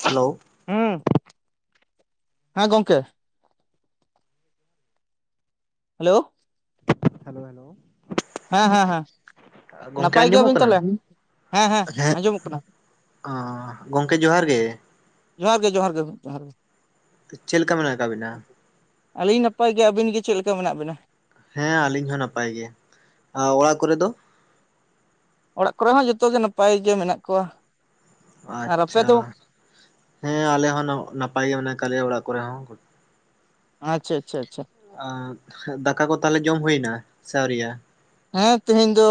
Hello. ᱦᱮᱸᱣ, ᱦᱮᱸ ᱜᱚᱝᱠᱮ᱾ ᱦᱮᱞᱳ᱾ Hello hello. ᱦᱮᱸ ᱦᱮᱸ ᱦᱮᱸ ᱜᱚᱝᱠᱮ ᱱᱟᱯᱟᱭ ᱟᱸᱡᱚᱢᱚᱜ ᱜᱮᱭᱟᱵᱤᱱ ᱠᱟᱱᱟ ᱛᱟᱦᱚᱞᱮ ᱦᱮᱸ ᱦᱮᱸ ᱟᱸᱡᱚᱢᱚᱜ ᱠᱟᱱᱟ᱾ ᱚ ᱜᱚᱝᱠᱮ ᱡᱚᱦᱟᱨ ᱜᱮ᱾ ᱡᱚᱦᱟᱨ ᱜᱮ, ᱡᱚᱦᱟᱨ ᱜᱮ, ᱡᱚᱦᱟᱨ ᱜᱮ᱾ ᱪᱮᱞᱠᱟ ᱢᱮᱱᱟᱜ ᱠᱟᱜ ᱵᱤᱱᱟ? ᱟᱹᱞᱤᱧ ᱱᱟᱯᱟᱭ ᱜᱮ ᱟᱹᱵᱤᱱ ᱜᱮ ᱪᱮᱞᱠᱟ ᱢᱮᱱᱟᱜ ᱵᱮᱱᱟ᱾ ᱦᱮᱸ ᱟᱞᱤᱧ ᱦᱚᱸ ᱱᱟᱯᱟᱭ ᱜᱮ ᱟ ᱚᱲᱟᱜ ᱠᱚᱨᱮ ᱫᱚ? ᱚᱲᱟᱜ ᱠᱚᱨᱮ ᱦᱚᱸ ᱡᱚᱛᱚ ᱜᱮ ᱱᱟᱯᱟᱭ ᱜᱮ ᱢᱮᱱᱟᱜ ᱠᱚᱣᱟ᱾ ᱟᱨ ᱟᱯᱮ ᱟᱪᱪᱷᱟ ᱫᱚ ᱦᱮᱸ ᱟᱞᱮ ᱦᱚᱸ ᱱᱟ-ᱱᱟᱯᱟᱭ ᱜᱮ ᱢᱟᱱᱮ ᱠᱟᱜ ᱞᱮᱭᱟ ᱚᱲᱟᱜ ᱠᱚᱨᱮ ᱦᱚᱸ᱾ ᱟᱸᱪᱪᱷᱟ ᱟᱪᱪᱷᱟ ᱟᱪᱪᱷᱟ᱾ ᱟ [inaudible] ᱫᱟᱠᱟ ᱠᱚ ᱛᱟᱦᱚᱞᱮ ᱡᱚᱢ ᱦᱩᱭ ᱱᱟ ᱥᱮ ᱟᱹᱣᱨᱤ ᱭᱟ? ᱦᱮᱸ, ᱛᱮᱦᱮᱧ ᱫᱚ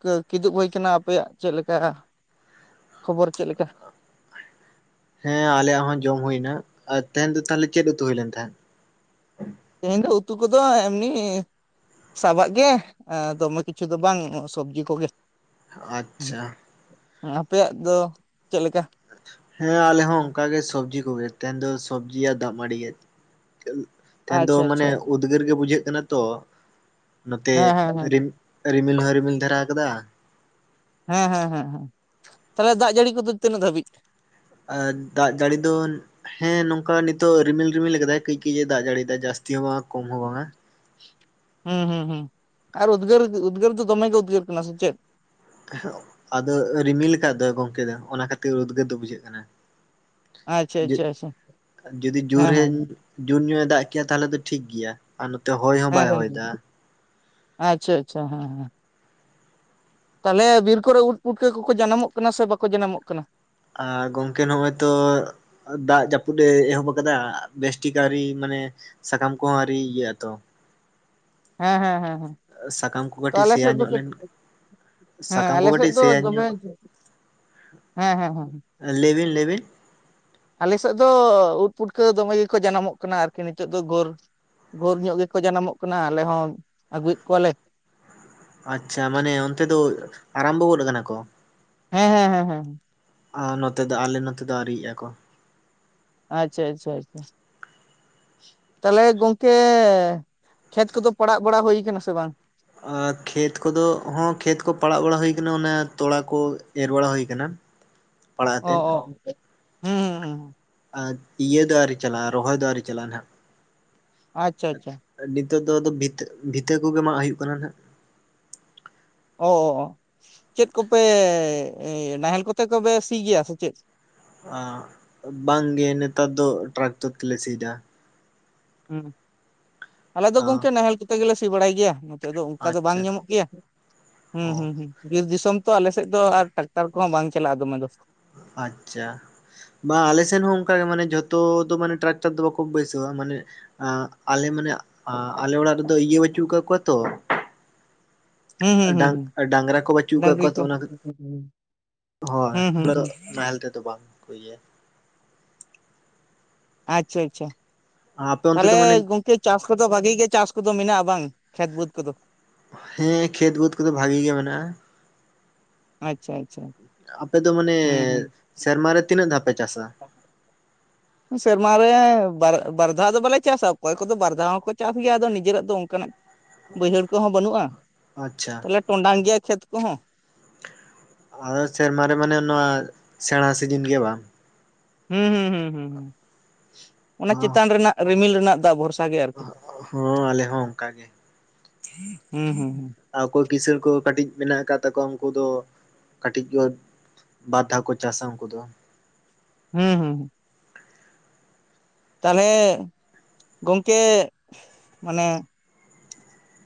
ᱠᱮ-ᱠᱤᱫᱩᱵ ᱦᱩᱭ ᱠᱟᱱᱟ, ᱟᱯᱮᱭᱟᱜ ᱪᱮᱫ ᱞᱮᱠᱟ? ᱠᱷᱚᱵᱚᱨ ᱪᱮᱫ ᱞᱮᱠᱟ? ᱦᱮᱸ ᱟᱞᱮᱭᱟᱜ ᱦᱚᱸ ᱡᱚᱢ ᱦᱩᱭ ᱱᱟ ᱟᱨ ᱛᱟᱦᱮᱱ ᱫᱚ ᱛᱟᱦᱚᱞᱮ ᱪᱮᱫ ᱩᱛᱩ ᱦᱩᱭ ᱞᱮᱱ ᱛᱟᱦᱮᱸᱜ? ᱛᱮᱦᱮᱸᱱ ᱫᱚ ᱩᱛᱩ ᱠᱚᱫᱚ ᱮᱢᱱᱤ ᱥᱟᱵᱟᱜ ᱜᱮ ᱮᱸ ᱫᱚᱢᱮ ᱠᱤᱪᱷᱩ ᱫᱚ ᱵᱟᱝ ᱥᱚᱵᱡᱤ ᱠᱚᱜᱮ᱾ ᱟᱪᱪᱷᱟ᱾ ᱦᱚᱸ ᱟᱯᱮᱭᱟᱜ ᱫᱚ ᱪᱮᱫ ᱞᱮᱠᱟ? ᱦᱮᱸ ᱟᱞᱮ ᱦᱚᱸ ᱚᱱᱠᱟ ᱜᱮ ᱥᱚᱵᱽᱡᱤ ᱠᱚᱜᱮ ᱛᱮᱦᱮᱧ ᱫᱚ ᱥᱚᱵᱽᱡᱤ ᱟ ᱫᱟᱜ ᱢᱟᱲᱤ ᱜᱮ᱾ ᱛᱟᱦᱮᱱ ᱫᱚ ᱟᱪᱪᱷᱟ ᱢᱟᱱᱮ ᱟᱪᱪᱷᱟ ᱩᱫᱽᱜᱟᱹᱨ ᱜᱮ ᱵᱩᱡᱷᱟᱹᱜ ᱠᱟᱱᱟ ᱛᱚ ᱱᱚᱛᱮ ᱦᱮᱸ ᱦᱮᱸ ᱦᱮᱸ ᱨᱤᱢ ᱨᱤᱢᱤᱞ ᱦᱚᱸᱭ ᱨᱤᱢᱤᱞ ᱫᱷᱟᱨᱟ ᱟᱠᱟᱫᱟ᱾ ᱦᱮᱸ ᱦᱮᱸ ᱦᱮᱸ ᱦᱮᱸ ᱛᱟᱦᱚᱞᱮ ᱫᱟᱜ ᱡᱟᱹᱲᱤ ᱠᱚᱫᱚ ᱛᱤᱱᱟᱹᱜ ᱫᱷᱟᱹᱵᱤᱡ? ᱟᱨ ᱫᱟᱜ ᱡᱟᱹᱲᱤ ᱫᱚ ᱦᱮᱸ ᱱᱚᱝᱠᱟ ᱱᱤᱛᱚᱜ ᱨᱤᱢᱤᱞ ᱨᱤᱢᱤᱞ ᱟᱠᱟᱫᱟᱭ ᱠᱟᱹᱡ ᱠᱟᱹᱡ ᱮ ᱫᱟᱜ ᱡᱟᱹᱲᱤᱭᱟᱭ ᱡᱟᱹᱥᱛᱤ ᱦᱚᱸ ᱵᱟᱝᱟ ᱠᱚᱢ ᱦᱚᱸ ᱵᱟᱝᱟ, ᱦᱩᱸ ᱦᱩ ᱦᱩᱸ ᱟᱨ ᱩᱫᱽᱜᱟᱹᱨ ᱩᱫᱽᱜᱟᱹᱨ ᱫᱚᱢᱮ ᱜᱮ ᱩᱫᱽᱜᱟᱹᱨ ᱠᱟᱱᱟ ᱥᱮ ᱪᱮᱫ, ᱟᱫᱚ ᱨᱤᱢᱤᱞ ᱞᱮᱠᱟ ᱫᱚ ᱜᱚᱢᱠᱮ ᱫᱚ ᱚᱱᱟ ᱠᱷᱟᱹᱛᱤᱨ ᱩᱫᱽᱜᱟᱹᱨ ᱫᱚ ᱵᱩᱡᱷᱟᱹᱜ ᱠᱟᱱᱟ, ᱟᱪᱪᱷᱟ ᱟᱪᱪᱷᱟ ᱟᱪᱪᱷᱟ ᱡᱩᱫᱤ ᱦᱮᱸ ᱦᱮᱸ ᱡᱳᱨᱧ, ᱡᱚᱨ ᱧᱚᱭ ᱮ ᱫᱟᱜ ᱠᱮᱭᱟ ᱛᱟᱦᱚᱞᱮ ᱫᱚ ᱴᱷᱤᱠ ᱜᱮᱭᱟ ᱟᱨ ᱱᱚᱛᱮ ᱦᱚᱭ ᱦᱚᱸ ᱦᱮᱸ ᱵᱟᱭ ᱦᱚᱭ ᱫᱟ ᱦᱮᱸ ᱟᱪᱪᱷᱟ ᱟᱪᱪᱷᱟ ᱦᱮᱸ ᱦᱮᱸ ᱛᱟᱦᱚᱞᱮ ᱵᱤᱨ ᱠᱚᱨᱮ ᱩᱫ ᱯᱩᱴᱠᱟ ᱠᱟᱠᱚᱠᱚ ᱡᱟᱱᱟᱢᱚᱜ ᱠᱟᱱᱟ ᱥᱮ ᱵᱟᱠᱚ ᱡᱟᱱᱟᱢᱚᱜ ᱠᱟᱱᱟ, ᱟᱨ ᱜᱚᱝᱠᱮ ᱱᱚᱜᱼᱚᱭ ᱛᱚ ᱫᱟᱜ ᱡᱟᱹᱯᱩᱫ ᱮ ᱮᱦᱚᱵ ᱟᱠᱟᱫᱟ ᱵᱮᱥᱴᱤ ᱠᱟᱹᱨᱤ ᱢᱟᱱᱮ ᱥᱟᱠᱟᱢ ᱠᱚ ᱦᱟᱹᱨᱤ ᱜᱮᱭᱟ ᱛᱚ, ᱦᱮᱸ ᱦᱮᱸᱮᱸᱸ ᱥᱟᱠᱟᱢ ᱠᱚ ᱠᱟᱹᱴᱤᱡ ᱥᱮᱭᱟ ᱧᱚᱜ ᱞᱮᱱ,, ᱦᱮᱸ ᱥᱟᱠᱟᱢ ᱠᱚ ᱟᱞᱮ ᱥᱮᱫ ᱠᱟᱹᱴᱤᱡ ᱫᱚ ᱥᱮᱭᱟ ᱫᱚᱢᱮ ᱧᱚᱜ ᱦᱮᱸ ᱦᱮᱸ ᱦᱮᱸ ᱞᱟᱭ ᱵᱤᱱ ᱞᱟᱭ ᱵᱤᱱ ᱟᱞᱮᱥᱮᱫ ᱫᱚ ᱩᱫ ᱯᱩᱴᱠᱟᱹ ᱫᱚᱢᱮ ᱜᱮᱠᱚ ᱡᱟᱱᱟᱢᱚᱜ ᱠᱟᱱᱟ ᱟᱨᱠᱤ ᱱᱤᱛᱚᱜ ᱫᱚ ᱜᱳᱨ ᱜᱳᱨ ᱧᱚᱜ ᱜᱮᱠᱚ ᱡᱟᱱᱟᱢᱚᱜ ᱠᱟᱱᱟ ᱟᱞᱮ ᱦᱚᱸ ᱟᱹᱜᱩᱭᱮᱫ ᱠᱚᱣᱟᱞᱮ, ᱟᱪᱪᱷᱟ ᱢᱟᱱᱮ ᱚᱱᱛᱮ ᱫᱚ ᱟᱨᱟᱢᱵᱚ ᱜᱚᱫ ᱟᱠᱟᱱᱟ ᱠᱚ, ᱦᱮᱸ ᱦᱮᱸ ᱦᱮ ᱦᱮᱸ ᱱᱚᱛᱮ ᱫᱚ ᱟᱞᱮ ᱱᱚᱛᱮ ᱫᱚ ᱟᱹᱣᱤᱭᱤᱡ ᱟᱠ ᱠᱚ ᱟᱪᱪᱷᱟ ᱟᱪᱪᱷᱟ ᱟᱪᱪᱷᱟ ᱛᱟᱦᱚᱞᱮ ᱜᱚᱝᱠᱮ ᱠᱷᱮᱛ ᱠᱚᱫᱚ ᱯᱟᱲᱟᱜ ᱵᱟᱲᱟ ᱦᱩᱭᱠ ᱥᱮ ᱵᱟᱝ,? ᱟᱨ ᱠᱷᱮᱛ ᱠᱚᱫᱚ ᱦᱚᱸ ᱠᱷᱮᱛ ᱠᱚ ᱯᱟᱲᱟᱜ ᱵᱟᱲᱟ ᱦᱩᱭ ᱠᱟᱱᱟ ᱚᱱᱟ ᱛᱚᱲᱟ ᱠᱚ ᱮᱨ ᱵᱟᱲᱟ ᱦᱩᱭ ᱟᱠᱟᱱᱟ, ᱯᱟᱲᱟ ᱚ ᱦᱟᱛᱮᱫ, ᱚ ᱦᱩᱸ ᱦᱩᱸ ᱦᱩᱸ ᱤᱭᱟᱹ ᱫᱟ ᱟᱨᱤ ᱪᱟᱞᱟᱜᱼᱟ ᱨᱚᱦᱚᱭ ᱫᱚ ᱟᱨᱮ ᱪᱟᱞᱟᱜᱼᱟ ᱦᱟᱸᱜ, ᱟᱪᱪᱷᱟ ᱟᱪᱪᱷᱟ ᱱᱤᱛᱚᱜ ᱫᱚ ᱟᱫᱚ ᱵᱷᱤᱛᱟᱹ ᱵᱷᱤᱛᱟᱹ ᱠᱚᱜᱮ ᱢᱟᱜ ᱦᱩᱭᱩᱜ ᱠᱟᱱᱟ ᱟᱜ, ᱚ ᱪᱮᱫ ᱠᱚᱯᱮ ᱱᱟᱦᱮᱞ ᱠᱚᱛᱮ ᱠᱚᱯᱮ ᱥᱤ ᱜᱮᱭᱟ ᱥᱮ ᱪᱮᱫ? ᱵᱟᱝᱜᱮ ᱱᱮᱛᱟᱨ ᱫᱚ ᱴᱨᱟᱠᱴᱟᱨ ᱛᱮᱞᱮ ᱥᱤ ᱫᱟ ᱦᱮᱸ ᱟᱞᱮ ᱫᱚ ᱜᱚᱝᱠᱮ ᱱᱟᱦᱮᱞ ᱠᱚᱛᱮ ᱜᱮᱞᱮ ᱥᱤ ᱵᱟᱲᱟᱭ ᱜᱮᱭᱟ ᱱᱤᱛᱚᱜ ᱫᱚ ᱚᱱᱠᱟ ᱫᱚ ᱵᱟᱝ ᱟᱪᱪᱷᱟ ᱧᱟᱢᱚᱜ ᱜᱮᱭᱟ ᱦᱩᱸ ᱚ ᱦᱩᱸ ᱦᱩᱸ ᱵᱤᱨ ᱫᱤᱥᱚᱢ ᱛᱚ ᱟᱞᱮ ᱥᱮᱫ ᱫᱚ ᱟᱨ ᱴᱟᱠᱴᱟᱨ ᱠᱚᱦᱚᱸ ᱵᱟᱝ ᱪᱟᱞᱟᱜ-ᱟ ᱫᱚᱢᱮ ᱫᱚ ᱟᱪᱪᱷᱟ ᱵᱟ ᱟᱞᱮ ᱥᱮᱱ ᱦᱚᱸ ᱚᱱᱠᱟᱜᱮ ᱢᱟᱱᱮ ᱡᱷᱚᱛᱚ ᱫᱚ ᱢᱟᱱᱮ ᱴᱨᱟᱠᱴᱟᱨ ᱫᱚ ᱵᱟᱠᱚ ᱵᱟᱹᱭᱥᱟᱹᱭᱟ ᱢᱟᱱᱮ ᱟᱞᱮ ᱢᱟᱱᱮ ᱟᱞᱮ ᱚᱲᱟᱜ ᱨᱮᱫᱚ ᱤᱭᱟᱹ ᱵᱟᱹᱪᱩᱜ ᱠᱟᱫ ᱠᱚᱣᱟ ᱛᱚ ᱦᱩᱸ ᱦᱩᱸ ᱦᱩᱸ ᱰᱟᱝ ᱦᱩᱸ ᱰᱟᱝᱨᱟ ᱠᱚ ᱵᱟᱹᱪᱩᱜ ᱟᱠᱟᱫ ᱰᱟᱝᱨᱤ ᱠᱚᱣᱟ ᱛᱚ ᱠᱚ ᱚᱱᱟ ᱦᱳᱭ ᱦᱩᱸ ᱦᱩᱸ ᱦᱩᱸ ᱱᱟᱦᱮᱞ ᱛᱮᱫᱚ ᱵᱟᱝ ᱤᱭᱟᱹᱭᱟ ᱟᱪᱪᱷᱟ ᱟᱪᱪᱷᱟ ᱟᱯᱮ ᱚᱱᱛᱮ ᱫᱚ ᱛᱟᱦᱚᱞᱮ ᱢᱟᱱᱮ ᱜᱚᱝᱠᱮ ᱪᱟᱥ ᱠᱚᱫᱚ ᱵᱷᱟᱜᱤ ᱜᱮ ᱪᱟᱥ ᱠᱚᱫᱚ ᱢᱮᱱᱟᱜᱼᱟ ᱵᱟᱝ ᱠᱷᱮᱛ ᱵᱟᱹᱫᱽ ᱠᱚᱫᱚ?, ᱦᱮᱸ ᱠᱷᱮᱛ ᱵᱟᱹᱫᱽ ᱠᱚᱫᱚ ᱵᱷᱟᱜᱤ ᱜᱮ ᱢᱮᱱᱟᱜ-ᱟ ᱟᱪᱪᱷᱟ ᱟᱪᱪᱷᱟ ᱟᱯᱮ ᱫᱚ ᱢᱟᱱᱮ ᱦᱩᱸ ᱥᱮᱨᱢᱟ ᱨᱮ ᱛᱤᱱᱟᱹᱜ ᱫᱷᱟᱣ ᱯᱮ ᱪᱟᱥᱟ? [inaudible] ᱥᱮᱨᱢᱟ ᱨᱮ ᱵᱟᱨ ᱫᱷᱟᱣ ᱫᱚ ᱵᱟᱞᱮ ᱪᱟᱥᱟ ᱚᱠᱚᱭ ᱠᱚᱫᱚ ᱵᱟᱨ ᱫᱷᱟᱣ ᱦᱚᱸᱠᱚ ᱪᱟᱥ ᱜᱮᱭᱟ ᱟᱫᱚ ᱱᱤᱡᱮᱨᱟᱜ ᱫᱚ ᱚᱱᱠᱟᱱᱟᱜ ᱵᱟᱹᱭᱦᱟᱹᱲ ᱠᱚᱦᱚᱸ ᱵᱟᱹᱱᱩᱜ-ᱟ ᱟᱪᱪᱷᱟ ᱛᱚᱞᱮ ᱴᱚᱸᱰᱟᱱ ᱜᱮᱭᱟ ᱠᱷᱮᱛ ᱠᱚᱦᱚᱸ ᱟ ᱥᱮᱨᱢᱟ ᱨᱮ ᱢᱟᱱᱮ ᱱᱚᱣᱟ ᱥᱮᱬᱟ ᱥᱤᱡᱤᱱ ᱜᱮ ᱵᱟᱝ ᱦᱩᱸ ᱦᱩᱸ ᱦᱩ ᱦᱩ ᱚᱱᱟ ᱪᱮᱛᱟᱱ ᱨᱮᱱᱟᱜ ᱨᱤᱢᱤᱞ ᱨᱮᱱᱟᱜ ᱫᱟᱜ ᱵᱷᱚᱨᱥᱟ ᱜᱮ ᱟᱨᱠᱤ ᱦᱚᱸ ᱟᱞᱮ ᱦᱚᱸ ᱚᱱᱠᱟᱜ ᱜᱮ ᱦᱩᱸ ᱦᱩᱸ ᱚᱠᱚᱭ ᱠᱤᱥᱟᱹᱲ ᱠᱚ ᱠᱟᱹᱴᱤᱡ ᱢᱮᱱᱟᱜ ᱟᱠᱟᱫ ᱛᱟᱠᱚᱣᱟ ᱩᱱᱠᱩ ᱫᱚ ᱠᱟᱹᱴᱤᱡ ᱠᱚ ᱵᱟᱨᱫᱷᱟ ᱠᱚ ᱪᱟᱥᱟ ᱩᱱᱠᱩ ᱫᱚ ᱦᱩᱸ ᱦᱩᱸ ᱦᱩᱸ ᱛᱟᱞᱦᱮ ᱜᱚᱢᱠᱮ ᱢᱟᱱᱮ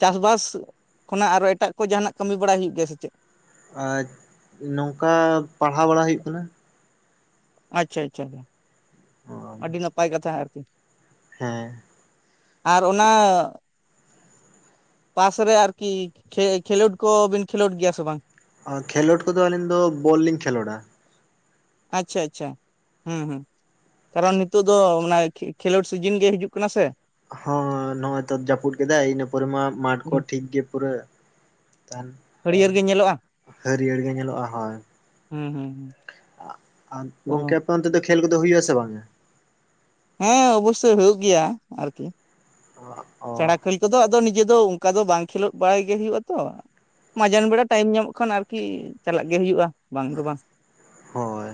ᱪᱟᱥᱵᱟᱥ ᱠᱷᱚᱱᱟᱜ ᱟᱨᱚ ᱮᱴᱟᱜ ᱠᱚ ᱡᱟᱦᱟᱱᱟᱜ ᱠᱟᱹᱢᱤ ᱵᱟᱲᱟᱭ ᱦᱩᱭᱩᱜ ᱜᱮᱭᱟ ᱥᱮ ᱪᱮᱫ ᱟᱪ ᱱᱚᱝᱠᱟ ᱯᱟᱲᱦᱟᱣ ᱵᱟᱲᱟ ᱦᱩᱭᱩᱜ ᱠᱟᱱᱟ ᱟᱪᱪᱷᱟ ᱟᱪᱪᱷᱟ ᱟᱹᱰᱤ ᱱᱟᱯᱟᱭ ᱠᱟᱛᱷᱟ ᱟᱨᱠᱤ ᱦᱮᱸ ᱟᱨ ᱩᱱᱼᱟ ᱯᱟᱥ ᱨᱮ ᱟᱨᱠᱤ ᱠᱷᱮᱼ ᱠᱷᱮᱞᱳᱰ ᱠᱚᱵᱤᱱ ᱠᱷᱮᱞᱳᱰ ᱜᱮᱭᱟ ᱥᱮ ᱵᱟᱝ ᱠᱷᱮᱞᱳᱰ ᱠᱚᱫᱚ ᱟᱹᱞᱤᱧ ᱫᱚ ᱵᱚᱞ ᱞᱤᱧ ᱠᱷᱮᱞᱳᱰᱟ ᱟᱪᱪᱷᱟ ᱟᱪᱪᱷᱟ ᱦᱮᱸ ᱦᱮᱸ ᱠᱟᱨᱚᱱ ᱱᱤᱛᱳ ᱫᱚ ᱚᱱᱟ ᱠᱷᱮᱞᱳᱰ ᱥᱤᱡᱤᱱ ᱜᱮ ᱦᱤᱡᱩᱜ ᱠᱟᱱᱟ ᱥᱮ ᱦᱚᱸ ᱱᱚᱜ-ᱚᱭ ᱛᱚ ᱡᱟᱹᱯᱩᱫ ᱠᱮᱫᱟᱭ ᱤᱱᱟᱹ ᱯᱚᱨᱮ ᱢᱟᱴᱷ ᱠᱚ ᱴᱷᱤᱠ ᱜᱤ ᱯᱩᱨᱟᱹ ᱛᱟᱱ ᱦᱟᱹᱨᱭᱟᱹᱲ ᱜᱮ ᱧᱮᱞᱚᱜᱼᱟ ᱦᱟᱹᱨᱭᱟᱹᱲ ᱜᱮ ᱧᱮᱞᱚᱜ-ᱟ ᱦᱳᱭ ᱦᱩᱸ ᱦᱩᱸ ᱛᱚ ᱜᱚᱝᱠᱮ ᱟᱯᱮ ᱚᱱᱛᱮ ᱫᱚ ᱠᱷᱮᱞ ᱠᱚᱫᱚ ᱦᱩᱭᱩᱜ ᱟᱥᱮ ᱵᱟᱝ-ᱟ ᱦᱮᱸ ᱟᱵᱩᱥᱮᱜ ᱦᱩᱭᱩᱜ ᱜᱮᱭᱟ ᱟᱨᱠᱤ ᱚ ᱪᱟᱲᱟ ᱠᱷᱟᱰᱤ ᱠᱚᱫᱚ ᱟᱫᱚ ᱱᱤᱡᱮ ᱫᱚ ᱚᱱᱠᱟ ᱫᱚ ᱵᱟᱝ ᱠᱷᱮᱞᱳᱜ ᱵᱟᱲᱟᱭ ᱜᱮ ᱦᱩᱭᱩᱜ ᱟᱛᱚ ᱢᱟᱡᱟᱱ ᱵᱮᱲᱟ ᱴᱟᱭᱤᱢ ᱧᱟᱢᱚᱜ ᱠᱷᱟᱱ ᱟᱨᱠᱤ ᱪᱟᱞᱟᱜ ᱜᱮ ᱦᱩᱭᱩᱜ-ᱟ ᱵᱟᱝ ᱫᱚ ᱵᱟᱝ ᱦᱳᱭ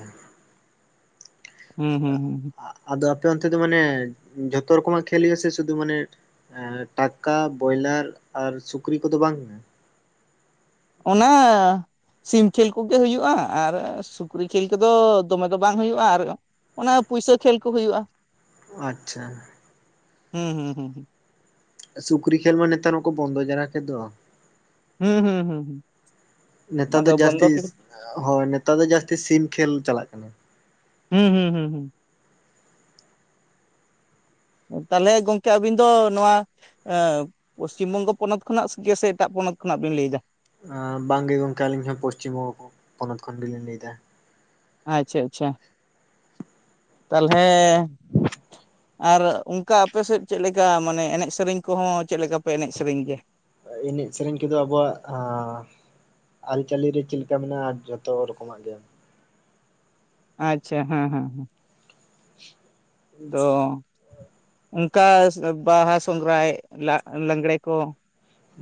ᱦᱩᱸ ᱦᱩᱸ ᱦᱩ ᱟᱫᱚ ᱟᱯᱮ ᱚᱱᱛᱮ ᱫᱚ ᱢᱟᱱᱮ ᱡᱷᱚᱛᱚ ᱨᱚᱠᱚᱢᱟᱜ ᱠᱷᱮᱞ ᱦᱩᱭᱩᱜ ᱟᱥᱮ ᱥᱩᱫᱷᱩ ᱢᱟᱱᱮ ᱴᱟᱠᱟ ᱵᱚᱭᱞᱟᱨ ᱟᱨ ᱥᱩᱠᱨᱤ ᱠᱚᱫᱚ ᱵᱟᱝ ᱠᱟᱱᱟ ᱚᱱᱟ ᱥᱤᱢ ᱠᱷᱮᱞ ᱠᱚᱜᱮ ᱦᱩᱭᱩᱜ-ᱟ ᱟᱨ ᱥᱩᱠᱨᱤ ᱠᱷᱮᱞ ᱠᱚᱫᱚ ᱫᱚᱢᱮ ᱫᱚ ᱵᱟᱝ ᱦᱩᱭᱩᱜ-ᱟ ᱟᱨ ᱚᱱᱟ ᱯᱩᱭᱥᱟᱹ ᱠᱷᱮᱞ ᱠᱚ ᱦᱩᱭᱩᱜ-ᱟ ᱟᱪᱪᱷᱟ ᱦᱩᱸ ᱦᱩᱸ ᱦᱩᱸ ᱦᱩᱸ ᱥᱩᱠᱨᱤ ᱠᱷᱮᱞ ᱢᱟ ᱱᱮᱛᱟᱨ ᱢᱟᱠᱚ ᱵᱚᱱᱫᱚ ᱡᱟᱨᱟ ᱠᱮᱫ ᱫᱚ ᱦᱩᱸ ᱦᱩᱸ ᱦᱩᱸ ᱦᱩᱸ ᱱᱮᱛᱟᱨ ᱫᱚ ᱟᱫᱚ ᱵᱚᱱᱫᱚ ᱡᱟᱹᱥᱛᱤ ᱦᱳᱭ ᱱᱮᱛᱟᱨ ᱫᱚ ᱡᱟᱹᱥᱛᱤ ᱥᱤᱢ ᱠᱷᱮᱞ ᱪᱟᱞᱟᱜ ᱠᱟᱱᱟ᱾ ᱦᱩᱸ ᱦᱩᱸ ᱦᱩᱸ ᱦᱩᱸ ᱛᱟᱞᱮ ᱜᱚᱢᱠᱮ ᱟᱹᱵᱤᱱ ᱫᱚ ᱱᱚᱣᱟ ᱮᱸ ᱯᱚᱥᱪᱤᱢ ᱵᱚᱝᱜᱚ ᱯᱚᱱᱚᱛ ᱠᱷᱚᱱᱟᱜ ᱜᱮ ᱥᱮ ᱮᱴᱟᱜ ᱯᱚᱱᱚᱛ ᱠᱷᱚᱱᱟᱜ ᱵᱤᱱ ᱞᱟᱹᱭ ᱮᱫᱟ? ᱮᱸ ᱵᱟᱝ ᱜᱤ ᱜᱚᱝᱠᱮ ᱟᱹᱞᱤᱧ ᱦᱚᱸ ᱯᱚᱥᱪᱤᱢ ᱵᱚᱝᱜᱚ ᱯᱚᱱᱚᱛ ᱠᱷᱚᱱ ᱜᱮᱞᱤᱧ ᱞᱟᱹᱭ ᱮᱫᱟ᱾ ᱟᱪᱪᱷᱟ ᱟᱪᱪᱷᱟ ᱛᱟᱞᱦᱮ ᱟᱨ ᱚᱱᱠᱟ ᱟᱯᱮ ᱥᱮᱫ ᱪᱮᱫ ᱞᱮᱠᱟ ᱢᱟᱱᱮ ᱮᱱᱮᱡᱽ ᱥᱮᱨᱮᱧ ᱠᱚᱦᱚᱸ ᱪᱮᱫ ᱞᱮᱠᱟ ᱯᱮ ᱮᱱᱮᱡᱽ ᱥᱮᱨᱮᱧ ᱜᱮᱭᱟ? ᱮᱱᱮᱡ ᱥᱮᱨᱮᱧ ᱠᱚᱫᱚ ᱟᱵᱚᱣᱟᱜ, ᱟᱹᱨᱤᱪᱟᱹᱞᱤ ᱨᱮ ᱪᱮᱫ ᱞᱮᱠᱟ ᱢᱮᱱᱟᱜᱼᱟ ᱡᱚᱛᱚ ᱨᱚᱠᱚᱢᱟᱜ ᱜᱮ, ᱟᱪᱪᱷᱟ ᱦᱮᱸ ᱦᱮᱸ ᱦᱮᱸ [unintelligible] ᱛᱚ ᱚᱱᱠᱟ ᱵᱟᱦᱟ, ᱥᱚᱜᱷᱨᱟᱭ, ᱞᱟᱜᱽᱲᱮ ᱠᱚ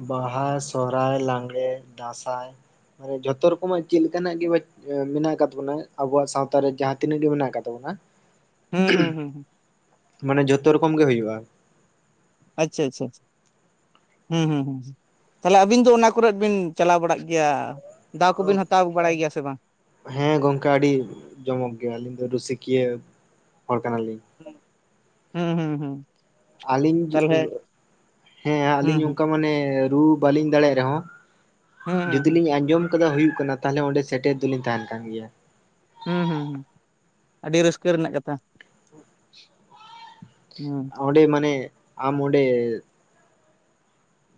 ᱵᱟᱦᱟ, ᱥᱚᱦᱨᱟᱭ, ᱞᱟᱜᱽᱲᱮ, ᱫᱟᱸᱥᱟᱭ ᱢᱟᱱᱮ ᱡᱷᱚᱛᱚ ᱨᱚᱠᱚᱢᱟᱜ ᱪᱮᱫ ᱞᱮᱠᱟᱱᱟᱜ ᱜᱮ ᱮᱸᱢᱮᱱᱟᱜ ᱟᱠᱟᱫ ᱛᱟᱵᱚᱱᱟ ᱟᱵᱚᱣᱟᱜ ᱥᱟᱶᱛᱟᱨᱮ ᱡᱟᱦᱟᱸ ᱛᱤᱱᱟᱹᱜ ᱜᱮ ᱢᱮᱱᱟᱜ ᱟᱠᱟᱫ ᱛᱟᱵᱚᱱᱟ ᱦᱩᱸ ᱦᱩᱸ ᱦᱩᱸ ᱦᱩᱸ ᱢᱟᱱᱮ ᱡᱷᱚᱛᱚ ᱨᱚᱠᱚᱢ ᱜᱮ ᱦᱩᱭᱩᱜᱼᱟ᱾ ᱟᱪᱪᱷᱟ ᱪᱷᱟᱪᱷᱟ ᱦᱩᱸ ᱦᱩᱸ ᱛᱟᱞᱮ ᱟᱹᱵᱤᱱ ᱫᱚ ᱚᱱᱟ ᱠᱚᱨᱮᱫ ᱵᱤᱱ ᱪᱟᱞᱟᱣ ᱵᱟᱲᱟᱜ ᱜᱮᱭᱟ? ᱫᱟᱣ ᱠᱚᱵᱤᱱ ᱦᱟᱛᱟᱣ ᱟᱠᱩ ᱵᱟᱲᱟᱭ ᱜᱮᱭᱟ ᱥᱮ ᱵᱟᱝ? ᱦᱮᱸ ᱜᱚᱝᱠᱮ ᱟᱹᱰᱤ ᱡᱚᱢᱚᱠ ᱜᱮᱭᱟ ᱟᱹᱞᱤᱧ ᱫᱚ ᱨᱩᱥᱤᱠᱤᱭᱟᱹ ᱦᱚᱲ ᱠᱟᱱᱟᱞᱤᱧ᱾ ᱦᱮᱸ ᱦᱩᱸ ᱦᱩᱸ ᱦᱩᱸ ᱟᱞᱤᱧ ᱛᱟᱦᱚᱞᱮ ᱦᱮᱸ ᱦᱩᱸ ᱟᱹᱞᱤᱧ ᱚᱱᱠᱟ ᱦᱩᱸ ᱢᱟᱱᱮ ᱨᱩ ᱵᱟᱹᱞᱤᱧ ᱫᱟᱲᱮᱭᱟᱜ ᱨᱮᱦᱚᱸ ᱦᱩᱸ ᱦᱩᱸ ᱡᱩᱫᱤ ᱦᱩᱸ ᱞᱤᱧ ᱟᱸᱡᱚᱢ ᱠᱮᱫ ᱦᱩᱭᱩᱜ ᱠᱟᱱᱟ ᱛᱟᱦᱚᱞᱮ ᱚᱸᱰᱮ ᱥᱮᱴᱮᱨ ᱫᱚᱞᱤᱧ ᱛᱟᱦᱮᱱ ᱠᱟᱱ ᱜᱮᱭᱟ᱾ ᱦᱩᱸ ᱦᱩᱸ ᱦᱩᱸ ᱟᱹᱰᱤ ᱨᱟᱹᱥᱠᱟᱹ ᱨᱮᱱᱟᱜ ᱠᱟᱛᱷᱟ ᱦᱩ᱾ ᱚᱸᱰᱮ ᱢᱟᱱᱮ ᱟᱢ ᱚᱸᱰᱮ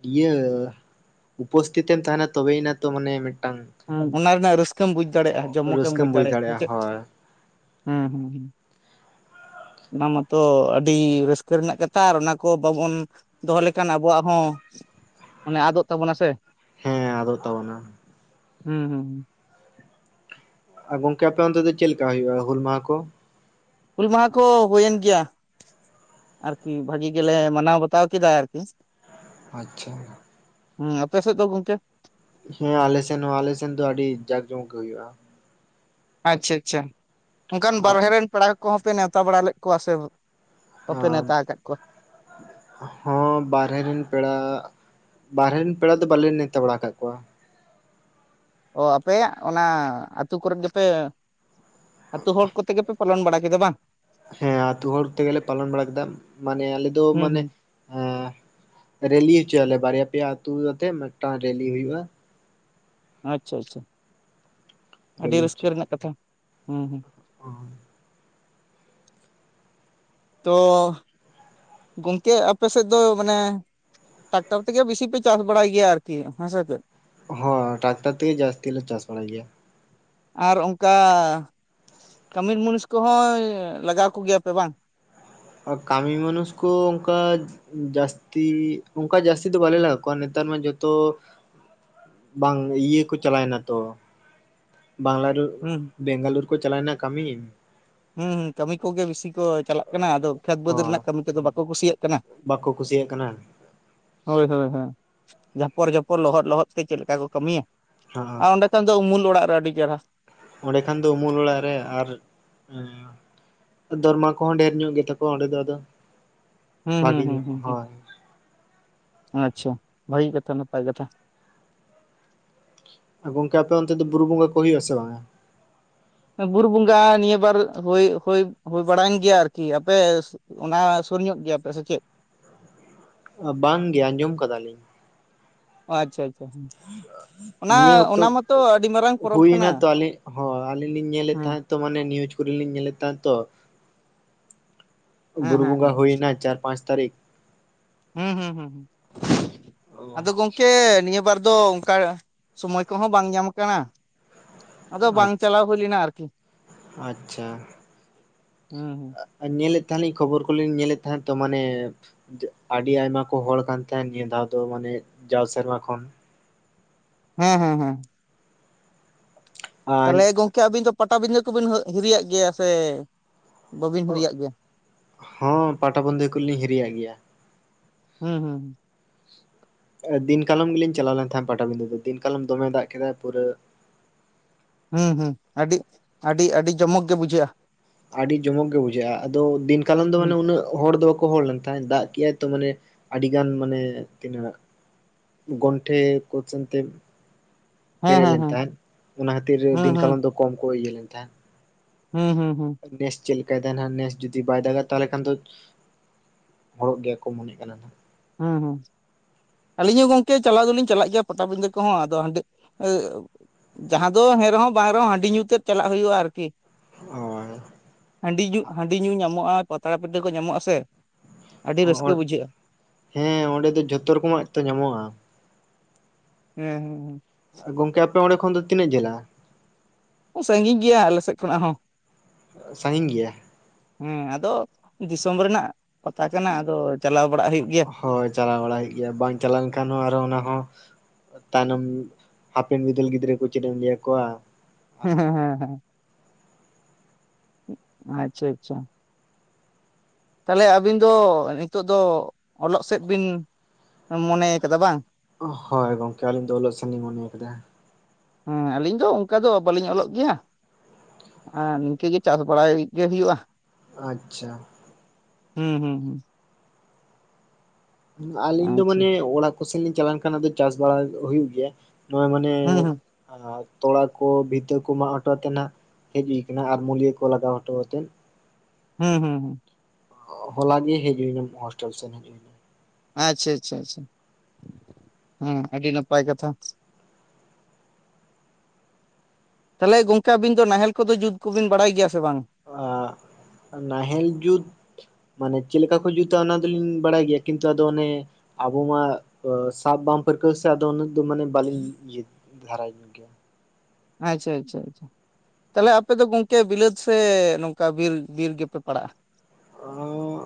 ᱤᱭᱟᱹ ᱩᱯᱚᱥᱛᱷᱤᱛᱮᱢ ᱛᱟᱦᱮᱸᱱᱟ ᱛᱚᱵᱮᱭᱮᱱᱟ ᱛᱚ ᱢᱟᱱᱮ ᱢᱤᱫᱴᱟᱝ, ᱦᱩᱸ ᱚᱱᱟ ᱨᱮᱱᱟᱜ ᱨᱟᱹᱥᱠᱟᱹᱢ ᱵᱩᱡ ᱫᱟᱲᱮᱭᱟᱜᱼᱟ ᱡᱚᱢᱚᱠᱮᱢ ᱨᱟᱹᱥᱠᱟᱹᱢ ᱵᱩᱡ ᱵᱩᱡᱽ ᱫᱟᱲᱮᱭᱟᱜᱼᱟ ᱪᱮᱫ ᱦᱳᱭ ᱦᱩᱸ ᱦᱩᱸ ᱦᱩᱸ ᱚᱱᱟ ᱢᱟᱛᱚ ᱟᱹᱰᱤ ᱨᱟᱹᱥᱠᱟᱹ ᱨᱮᱱᱟᱜ ᱠᱟᱛᱷᱟ ᱟᱨ ᱚᱱᱟ ᱠᱚ ᱵᱟᱵᱚᱱ, ᱫᱚᱦᱚ ᱞᱮᱠᱷᱟᱱ ᱟᱵᱚᱣᱟᱜ ᱦᱚᱸ ᱟᱱᱮ ᱟᱫᱚᱜ ᱛᱟᱵᱚᱱᱟ ᱥᱮ᱾ ᱦᱮᱸ ᱟᱫᱚ ᱛᱵᱱᱟ᱾ ᱦᱩᱸ ᱦᱩᱸ ᱦᱩᱸ᱾ [unintelligible] ᱟᱨ ᱜᱚᱝᱠᱮ ᱟᱯᱮ ᱚᱱᱛᱮ ᱫᱚ ᱪᱮᱫ ᱞᱮᱠᱟ ᱦᱩᱭᱩᱜᱼᱟ ᱦᱩᱞ ᱢᱟᱦᱟ ᱠᱚ? ᱦᱩᱞ ᱢᱟᱦᱟ ᱠᱚ ᱦᱩᱭᱮᱱ ᱜᱮᱭᱟ᱾ ᱟᱨᱠᱤ ᱵᱷᱟᱜᱤ ᱜᱮᱞᱮ ᱢᱟᱱᱟᱣ ᱵᱟᱛᱟᱣ ᱠᱮᱫᱟ ᱟᱨᱠᱤ᱾ ᱟᱪᱪᱷᱟ ᱦᱩᱸ ᱟᱯᱮ ᱥᱮᱫ ᱫᱚ ᱜᱚᱝᱠᱮ? ᱦᱮᱸ ᱟᱞᱮᱥᱮᱱ ᱦᱚᱸ ᱟᱞᱮᱥᱮᱱ ᱫᱚ ᱟᱹᱰᱤ ᱡᱟᱠ ᱡᱚᱢᱚᱠ ᱜᱮ ᱦᱩᱭᱩᱜ-ᱟ᱾ ᱟᱪᱪᱷᱟ ᱟᱪᱪᱷᱟ ᱚᱱᱠᱟᱱ ᱟᱜ ᱵᱟᱨᱦᱮ ᱨᱮᱱ ᱯᱮᱲᱟ ᱠᱚᱦᱚᱸ ᱯᱮ ᱱᱮᱣᱛᱟ ᱵᱟᱲᱟ ᱞᱮᱫ ᱠᱚᱣᱟ ᱥᱮ ᱵᱟᱯᱮ ᱱᱮᱣᱛᱟ ᱟᱠᱟᱫ ᱠᱚᱣᱟ ᱦᱚᱸ ᱵᱟᱨᱨᱮ ᱨᱮᱱ ᱯᱮᱲᱟ ᱵᱟᱨᱦᱮ ᱨᱮᱱ ᱯᱮᱲᱟ ᱫᱚ ᱵᱟᱞᱮ ᱱᱮᱶᱛᱟ ᱵᱟᱲᱟ ᱟᱠᱟᱫ ᱠᱚᱣᱟ᱾ ᱚ ᱟᱯᱮᱭᱟᱜ ᱚᱱᱟ ᱟᱹᱛᱩᱳ ᱠᱚᱨᱮ ᱜᱮᱯᱮ ᱟᱹᱛᱩ ᱦᱚᱲ, ᱠᱚᱛᱮ ᱜᱮᱯᱮ ᱯᱟᱞᱚᱱ ᱵᱟᱲᱟ ᱠᱮᱫᱟ ᱵᱟᱝ? ᱦᱮᱸ ᱟᱛᱳ ᱦᱚᱲ ᱛᱮᱜᱮᱞᱮ ᱯᱟᱞᱚᱱ ᱵᱟᱲᱟ ᱠᱮᱫᱟ ᱢᱟᱱᱮ ᱟᱞᱮ ᱫᱚ ᱦᱩᱸ ᱢᱟᱱᱮ ᱦᱩᱸ ᱨᱮᱞᱤ ᱦᱚᱪᱚᱭᱟᱞᱮ ᱵᱟᱨᱭᱟ ᱯᱮᱭᱟ ᱟᱹᱛᱩ ᱟᱛᱮ ᱢᱤᱫᱴᱟᱝ ᱨᱮᱞᱤ ᱦᱩᱭᱩᱜᱼᱟ᱾ ᱟᱪᱪᱷᱟ ᱟᱪᱪᱷᱟ᱾ ᱟᱹᱰᱤ ᱨᱮᱞᱤ ᱨᱟᱹᱥᱠᱟᱹ ᱨᱮᱱᱟᱜ ᱠᱟᱛᱷᱟ ᱦᱩᱸ ᱦᱩᱸ ᱾ ᱚ ᱛᱚ ᱜᱚᱝᱠᱮ ᱟᱯᱮ ᱥᱮᱫ ᱫᱚ ᱢᱟᱱᱮ᱾ ᱴᱨᱟᱠᱴᱟᱨ ᱛᱮ ᱜᱮ ᱵᱤᱥᱤ ᱯᱮ ᱪᱟᱥ ᱵᱟᱲᱟᱭ ᱜᱮᱭᱟ ᱟᱨ ᱠᱤ ᱦᱮᱸ ᱥᱮ ᱪᱮᱫ? ᱦᱚᱸᱭ ᱴᱨᱟᱠᱴᱟᱨ ᱛᱮ ᱜᱮ ᱡᱟᱹᱥᱛᱤ ᱞᱮ ᱪᱟᱥ ᱵᱟᱲᱟᱭ ᱜᱮᱭᱟ᱾ ᱟᱨ ᱚᱱᱠᱟ ᱠᱟᱹᱢᱤᱨ ᱢᱩᱱᱤᱥ ᱠᱚᱦᱚᱸ ᱞᱟᱜᱟᱣ ᱠᱚᱜᱮᱭᱟ ᱯᱮ ᱵᱟᱝ? ᱠᱟᱹᱢᱤ ᱢᱟᱱᱩᱥ ᱠᱚ ᱚᱱᱠᱟ ᱡᱟᱹᱥᱛᱤ ᱚᱱᱠᱟ ᱡᱟᱹᱥᱛᱤ ᱫᱚ ᱵᱟᱞᱮ ᱞᱟᱜᱟᱣ ᱠᱚᱣᱟ ᱱᱮᱛᱟᱨ ᱢᱟ ᱡᱚᱛᱚ᱾ ᱵᱟᱝ ᱤᱭᱟᱹ ᱠᱚ ᱪᱟᱞᱟᱣᱮᱱᱟ ᱛᱚ [unintelligible] ᱵᱟᱝᱞᱟᱨᱚ ᱦᱩᱸ ᱵᱮᱝᱜᱟᱞᱩᱨᱩ ᱠᱚ ᱪᱟᱞᱭᱱᱟ ᱠᱟᱹᱢᱤ᱾ ᱦᱩᱸ ᱦᱩᱸ ᱠᱟᱹᱢᱤ ᱠᱚᱜᱮ ᱵᱤᱥᱤ ᱠᱚ ᱪᱟᱞᱟᱜ ᱠᱟᱱᱟ ᱟᱫᱚ ᱠᱷᱮᱛ ᱵᱟᱹᱫᱽ ᱦᱚᱸ ᱨᱮᱱᱟᱜ ᱠᱟᱹᱢᱤ ᱠᱚ ᱫᱚ ᱵᱟᱠᱚ ᱠᱩᱥᱤᱭᱟᱜ ᱠᱟᱱᱟ᱾ [unintelligible] ᱵᱟᱠᱚ ᱠᱩᱥᱤᱭᱟᱜ ᱠᱟᱱᱟ ᱦᱳᱭ ᱦᱳᱭ ᱡᱷᱟᱯᱚᱲ ᱡᱷᱚᱯᱚᱲ ᱞᱚᱦᱚᱫ ᱞᱚᱦᱚᱫ ᱛᱮ ᱪᱮᱫ ᱞᱮᱠᱟ ᱠᱚ ᱠᱟᱹᱢᱤᱭᱟ ᱦᱚᱸ ᱟᱨ ᱚᱸᱰᱮ ᱱᱮᱛᱟᱱ ᱫᱚ ᱩᱢᱩᱞ ᱚᱲᱟᱜ ᱨᱮ ᱟᱹᱰᱤ ᱪᱮᱦᱨᱟ᱾ ᱚᱸᱰᱮ ᱠᱷᱟᱱ ᱫᱚ ᱩᱢᱩᱞ ᱚᱲᱟᱜ ᱨᱮ ᱟᱨ ᱫᱚᱨᱢᱟ ᱠᱚᱦᱚᱸ ᱰᱷᱮᱨ ᱧᱚᱜ ᱜᱮᱛᱟ ᱠᱚᱣᱟ ᱚᱸᱰᱮ ᱫᱚ ᱟᱫᱚ᱾ ᱦᱩᱸ ᱦᱩᱸ ᱵᱷᱟᱜᱤ ᱦᱩᱸ ᱧᱚᱜ ᱦᱩ ᱦᱳᱭ ᱟᱪᱪᱷᱟ ᱵᱷᱟᱜᱤ ᱠᱟᱛᱷᱟ ᱱᱟᱯᱟᱭ ᱠᱟᱛᱷᱟ᱾ ᱟᱨ ᱜᱚᱝᱠᱮ ᱟᱯᱮ ᱚᱱᱛᱮ ᱫᱚ ᱵᱩᱨᱩ ᱵᱚᱸᱜᱟ ᱠᱚ ᱦᱩᱭᱩᱜ ᱟ ᱥᱮ ᱵᱟᱝᱟ? ᱵᱩᱨᱩ ᱵᱚᱸᱜᱟ ᱱᱤᱭᱟᱹ ᱵᱟᱨ ᱦᱳᱭ ᱦᱳᱭ ᱦᱳᱭ ᱵᱟᱲᱟᱭᱮᱱ ᱜᱮᱭᱟ ᱟᱨ ᱠᱤ ᱟᱯᱮ ᱚᱱᱟ ᱥᱩᱨ ᱧᱚᱜ ᱜᱮᱭᱟ ᱯᱮ ᱥᱮ ᱪᱮᱫ? ᱵᱟᱝ ᱜᱮ ᱟᱸᱡᱚᱢ ᱟᱠᱟᱫᱟ ᱞᱤᱧ ᱚ ᱟᱪᱪ ᱟᱪᱷᱟ᱾ ᱱᱤᱭᱟᱹ ᱚᱠᱛᱚ ᱢᱟᱛᱚ ᱟᱹᱰᱤ ᱢᱟᱨᱟᱝ ᱯᱚᱨᱚᱵᱽ ᱠᱟᱱᱟ ᱦᱩᱭᱮᱱᱟ ᱛᱚ ᱟᱹᱞᱤᱧ ᱦᱚᱸ ᱟᱹᱞᱤᱧ ᱞᱤᱧ ᱧᱮᱞᱮᱫ ᱦᱮᱸ ᱛᱟᱦᱮᱸᱫ ᱛᱚ ᱢᱟᱱᱮ ᱱᱤᱭᱩᱡᱽ ᱠᱚᱨᱮ ᱞᱤᱧ ᱧᱮᱞᱮᱫ ᱛᱟᱦᱮᱸ ᱛᱚ ᱦᱮᱸ ᱵᱩᱨᱩ ᱦᱮᱸ ᱵᱚᱸᱜᱟ ᱦᱮᱸ ᱦᱩᱭᱱᱟ ᱪᱟᱨ ᱯᱟᱸᱪ ᱛᱟᱹᱨᱤᱠᱷ ᱦᱩᱸ ᱦᱩᱸ ᱦᱩᱸ ᱚ ᱟᱫᱚ ᱜᱚᱝᱠᱮ ᱱᱤᱭᱟᱹ ᱵᱟᱨ ᱫᱚ ᱚᱠᱟ ᱥᱚᱢᱚᱭ ᱠᱚ ᱦᱚᱸ ᱵᱟᱝ ᱧᱟᱢ ᱠᱟᱱᱟ ᱟᱫᱚ ᱵᱟᱝ ᱟᱪᱪᱷᱟ ᱪᱟᱞᱟᱣ ᱦᱩᱭ ᱞᱮᱱᱟ ᱟᱨᱠᱤ ᱟᱪᱪᱷᱟ ᱦᱩᱸ ᱦᱩᱸ [inaudible] ᱟᱨ ᱧᱮᱞᱮᱫ ᱛᱟᱦᱮᱱ ᱟᱞᱤᱧ ᱠᱷᱚᱵᱚᱨ ᱠᱚᱞᱤᱧ ᱧᱮᱞᱮᱫ ᱛᱟᱦᱮᱸᱫ ᱛᱚ ᱢᱟᱱᱮ ᱟᱹᱰᱤ ᱟᱭᱢᱟ ᱠᱚ ᱦᱚᱲ ᱠᱟᱱᱛᱱ ᱱᱤᱭᱟᱹ ᱫᱷᱟᱣ ᱫᱚ ᱢᱟᱱᱮ ᱡᱟᱣ ᱥᱮᱨᱢᱟ ᱠᱷᱚᱱ ᱦᱮᱸ ᱦᱮᱸ ᱦᱮᱸ ᱟᱨ ᱛᱟᱦᱚᱞᱮ ᱜᱚᱢᱠᱮ ᱟᱹᱵᱤᱱ ᱫᱚ ᱯᱟᱴᱟ ᱵᱤᱸᱫᱷᱟᱹ ᱠᱚ ᱵᱤᱱ ᱦᱤᱨᱤ ᱭᱟᱜ ᱜᱮᱭᱟ ᱥᱮ ᱵᱟᱵᱤᱱ ᱦᱤᱨᱤ ᱭᱟᱜ ᱜᱮᱭᱟ [inaudible] ᱦᱚᱸ ᱯᱟᱴᱟᱵᱤᱸᱫᱟᱹ ᱠᱚᱞᱤᱧ ᱦᱤᱨᱤᱭᱟᱜ ᱜᱮᱭᱟ ᱦᱩᱸ ᱦᱩᱸ ᱦᱩᱸ ᱫᱤᱱ ᱠᱟᱞᱚᱢ ᱜᱮ ᱞᱤᱧ ᱪᱟᱞᱟᱣᱱ ᱛᱟᱦᱮᱸᱫ ᱯᱟᱴᱟ ᱵᱤᱫᱟᱹ ᱫᱚ ᱫᱤᱱ ᱠᱟᱞᱚᱢ ᱫᱚᱢᱮ ᱫᱟᱜ ᱠᱮᱫᱟᱭ ᱯᱩᱨᱟᱹ ᱦᱩᱸ ᱦᱩᱸ ᱟᱹᱰᱤ ᱟᱹᱰᱤ ᱟᱹᱰᱤ ᱡᱚᱢᱚᱠ ᱜᱮ ᱵᱩᱡᱷᱟᱹᱜᱼᱟ ᱟᱹᱰᱤ ᱡᱚᱢᱚᱠ ᱜᱮ ᱵᱩᱡᱷᱟᱹᱜᱼᱟ ᱟᱫᱚ ᱫᱤᱱ ᱠᱟᱞᱚᱢ ᱫᱚ ᱢᱟᱱᱮ ᱩᱱᱟᱹᱜ ᱦᱚᱲ ᱫᱚ ᱵᱟᱠᱚ ᱦᱚᱲ ᱞᱮᱱ ᱛᱟᱦᱮᱸᱫ ᱫᱟᱜ ᱠᱮᱜᱟᱭ ᱛᱚ ᱢᱟᱱᱮ ᱟᱹᱰᱤᱜᱟᱱ ᱢᱟᱱᱮ ᱛᱤᱱᱟᱹᱜ ᱜᱚᱱᱴᱮ ᱠᱚ ᱪᱮᱱ ᱛᱮ ᱦᱮᱸ ᱯᱮᱨᱮᱡ ᱦᱮᱸ ᱞᱮᱱ ᱦᱮᱸ ᱛᱟᱦᱮᱸᱫ ᱚᱱᱟ ᱠᱷᱟᱹᱛᱤᱨ ᱦᱩᱸ ᱫᱤᱱ ᱦᱩᱸ ᱠᱟᱞᱚᱢ ᱫᱚ ᱠᱚᱢ ᱠᱚ ᱤᱭᱟᱹ ᱞᱮᱱ ᱛᱟᱦᱮᱸᱫ ᱦᱩᱸ ᱦᱩᱸ ᱦᱩᱸ ᱱᱮᱥ ᱪᱮᱫ ᱞᱮᱠᱟᱭ ᱛᱟᱦᱮᱱᱟ ᱱᱮᱥ ᱡᱩᱫᱤ ᱵᱟᱭ ᱫᱟᱜᱟ ᱛᱟᱦᱚᱞᱮ ᱠᱷᱟᱱ ᱫᱚ ᱦᱚᱲᱚᱜ ᱜᱮᱭᱟ ᱠᱚ ᱢᱚᱱᱮᱜ ᱠᱟᱱᱟ ᱦᱟᱜ ᱦᱩᱸ ᱦᱩᱸ ᱟᱹᱞᱤᱧ ᱦᱚᱸ ᱜᱚᱝᱠᱮ ᱪᱟᱞᱟᱣ ᱫᱚᱞᱤᱧ ᱪᱟᱞᱟᱜ ᱜᱮᱭᱟ ᱯᱟᱴᱟ ᱵᱤᱸᱫᱟᱹ ᱠᱚ ᱦᱚᱸ ᱟᱫᱚ ᱦᱟᱸᱰᱮ ᱡᱟᱦᱟᱸ ᱫᱚ ᱦᱮᱸ ᱨᱮᱦᱚᱸ ᱵᱟᱝ ᱨᱮ ᱦᱚᱸ ᱦᱟᱺᱰᱤ ᱧᱩᱛᱮᱫ ᱪᱟᱞᱟᱜ ᱦᱩᱭᱩᱜᱼᱟ ᱟᱨᱠᱤ ᱦᱟᱺᱰᱤ ᱧᱩ ᱦᱟᱺᱰᱤ ᱧᱩ ᱧᱟᱢᱚᱜᱼᱟ ᱯᱟᱛᱲᱟ ᱯᱤᱴᱷᱟᱹ ᱠᱚ ᱧᱟᱢᱚᱜᱼᱟ ᱥᱮ ᱟᱹᱰᱤ ᱨᱟᱹᱥᱠᱟᱹ ᱦᱳᱭ ᱵᱩᱡᱷᱟᱹᱜᱼᱟ ᱦᱮᱸ ᱚᱸᱰᱮ ᱫᱚ ᱡᱷᱚᱛᱚ ᱨᱚᱠᱚᱢ-ᱟᱜ ᱛᱚ ᱧᱟᱢᱚᱜᱼᱟ ᱦᱮᱸ ᱦᱮᱸ ᱜᱚᱝᱠᱮ ᱟᱯᱮ ᱚᱸᱰᱮ ᱠᱷᱚᱱ ᱫᱚ ᱛᱤᱱᱟᱹᱜ ᱡᱷᱟᱹᱞᱟ? ᱥᱟᱺᱜᱤᱧ ᱜᱮᱭᱟ ᱟᱞᱮ ᱥᱮᱫ ᱠᱷᱚᱱᱟᱜ ᱦᱚᱸ᱾ ᱥᱟᱺᱜᱤᱧ ᱜᱮᱭᱟ ᱟᱫᱚ ᱫᱤᱥᱚᱢ ᱨᱮᱱᱟᱜ ᱯᱟᱛᱟ ᱠᱟᱱᱟ ᱟᱫᱚ ᱪᱟᱞᱟᱣ ᱵᱟᱲᱟᱜ ᱦᱩᱭᱩᱜ ᱜᱮᱭᱟ᱾ ᱪᱟᱞᱟᱣ ᱵᱟᱲᱟᱭ ᱜᱮᱭᱟ ᱵᱟᱝ ᱪᱟᱞᱟᱣ ᱞᱮᱱ ᱠᱷᱟᱱ ᱟᱨ ᱦᱚᱸ ᱚᱱᱟ ᱦᱚᱸ ᱛᱟᱭᱱᱚᱢ ᱦᱟᱯᱮᱱ ᱵᱤᱫᱟᱹᱞ ᱜᱤᱫᱽᱨᱟᱹ ᱠᱩ ᱪᱮᱫ ᱤᱧ ᱞᱟᱹᱭ ᱟᱠᱚᱣᱟ᱾ ᱦᱮᱸ ᱦᱮᱸ ᱦᱮᱸ ᱟᱪᱪᱷᱟ ᱟᱪᱪᱷᱟ ᱛᱟᱦᱚᱞᱮ ᱟᱹᱵᱤᱱ ᱫᱚ ᱱᱤᱛᱚᱜ ᱫᱚ ᱚᱞᱚᱜ ᱥᱮᱫ ᱵᱤᱱ ᱢᱚᱱᱮᱭ ᱠᱟᱫᱟ ᱵᱟᱝ᱾ ᱦᱳᱭ ᱜᱚᱝᱠᱮ ᱟᱹᱞᱤᱧ ᱫᱚ ᱚᱞᱚᱜ ᱥᱮᱱ ᱞᱞᱤᱧ ᱢᱚᱱᱮ ᱟᱠᱟᱫᱟ ᱦᱮᱸ ᱟᱹᱞᱤᱧ ᱫᱚ ᱚᱱᱠᱟ ᱫᱚ ᱵᱟᱹᱞᱤᱧ ᱚᱞᱚᱜ ᱜᱮᱭᱟ ᱱᱤᱝᱠᱟᱹ ᱜᱮ ᱪᱟᱥ ᱵᱟᱲᱟᱭ ᱜᱮ ᱦᱩᱭᱩᱜᱼᱟ᱾ ᱟᱪᱪᱷᱟ ᱦᱩᱸ ᱦᱩᱸ ᱦᱩᱸ ᱟᱞᱤᱧ ᱫᱚ ᱟᱪᱪᱷᱟ ᱢᱟᱱᱮ ᱚᱲᱟᱜ ᱠᱚᱥᱮᱫ ᱞᱤᱧ ᱪᱟᱞᱟᱱ ᱠᱷᱟᱱ ᱟ ᱪᱟᱥ ᱵᱟᱲᱟ ᱦᱩᱭᱩᱜ ᱜᱮᱭᱟ᱾ ᱱᱚᱶᱟ ᱢᱟᱱᱮ ᱦᱩᱸ ᱦᱩᱸ ᱛᱚᱲᱟ ᱠᱚ ᱵᱷᱤᱛᱟᱹ ᱠᱚ ᱢᱟᱜ ᱦᱚᱴᱚ ᱣᱟᱛᱮᱱᱟᱜ᱾ ᱟᱫ ᱢᱩᱫᱤᱭᱟᱹ ᱠᱚ ᱞᱟᱜᱟᱣ ᱦᱚᱴᱚ ᱣᱟᱛᱮᱫ ᱦᱩᱸ ᱦᱩᱸ ᱦᱩᱸ ᱦᱚᱞᱟ ᱜᱮ ᱦᱮᱡ ᱦᱩᱭ ᱠᱟᱱᱟ ᱦᱳᱥᱴᱮᱞ ᱥᱮᱱ᱾ ᱟᱪᱪᱷᱟ ᱟᱪᱪᱷᱟ ᱪᱷᱟ ᱦᱩᱸ ᱟᱹᱰᱤ ᱱᱟᱯᱟᱭ ᱠᱟᱛᱷᱟ᱾ ᱛᱟᱞᱦᱮ ᱜᱚᱝᱠᱮ ᱟᱵᱤᱱ ᱫᱚ ᱱᱟᱦᱮᱞ ᱠᱚᱫᱚ ᱡᱩᱛ ᱠᱚᱵᱤᱱ ᱵᱟᱲᱟᱭ ᱜᱤᱭᱟ ᱥᱮ ᱵᱟᱝ᱾ ᱱᱟᱦᱮᱞ ᱡᱩᱛ ᱢᱟᱱᱮ ᱪᱮᱫ ᱞᱮᱠᱟ ᱠᱩ ᱡᱩᱛᱟ ᱚᱱᱟ ᱫᱚᱞᱤᱧ ᱵᱟᱲᱟᱭ ᱜᱮᱭᱟ ᱠᱤᱱᱛᱩ ᱟᱫᱚ ᱚᱱᱮ ᱟᱵᱚ ᱢᱟ ᱥᱟᱵ ᱵᱟᱝ ᱯᱟᱹᱨᱠᱟᱹᱣ ᱥᱮ ᱟᱫᱚ ᱩᱱᱟᱹᱜ ᱫᱚ ᱢᱟᱱᱮ ᱵᱟᱞᱤᱧ ᱤᱭᱟᱹ ᱫᱷᱟᱨᱟᱭ ᱜᱮᱭᱟ᱾ ᱟᱪᱪᱷᱟ ᱟᱪᱪᱷᱟ ᱟᱪᱪᱷᱟ ᱛᱟᱞᱦᱮ ᱟᱯᱮ ᱫᱚ ᱜᱚᱝᱠᱮ ᱵᱤᱞᱟᱹᱛ ᱥᱮ ᱱᱚᱝᱠᱟ ᱵᱤᱨ ᱵᱤᱨ ᱜᱮᱯᱮ ᱯᱟᱲᱟᱜᱼᱟ᱾ ᱚ